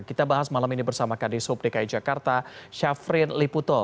kita bahas malam ini bersama kadisub dki jakarta syafrin liputo